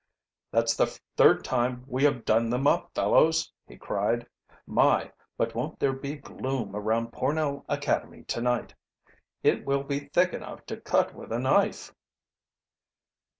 "That's the third time we have done them up, fellows!" he cried. "My, but won't there be gloom around Pornell Academy to night! It will be thick enough to cut with a knife."